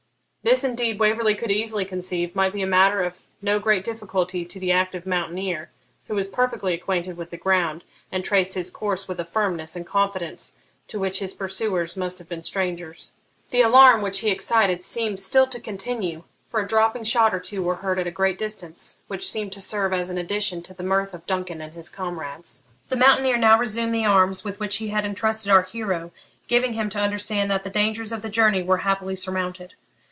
This indeed Waverley could easily conceive might be a matter of no great difficulty to the active mountaineer, who was perfectly acquainted with the ground, and traced his course with a firmness and confidence to which his pursuers must have been strangers. The alarm which he excited seemed still to continue, for a dropping shot or two were heard at a great distance, which seemed to serve as an addition to the mirth of Duncan and his comrades. The mountaineer now resumed the arms with which he had entrusted our hero, giving him to understand that the dangers of the journey were happily surmounted.